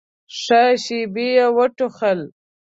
ښه شېبه يې وټوخل.